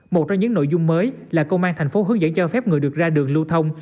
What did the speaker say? một trong những nội dung mới là công an thành phố hướng dẫn cho phép người được ra đường lưu thông